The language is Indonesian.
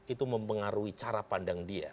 itu mempengaruhi cara pandang dia